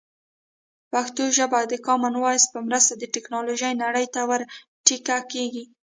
پښتو ژبه د کامن وایس په مرسته د ټکنالوژۍ نړۍ ته ور ټيکه کېږي.